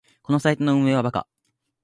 このサイトの運営はバカ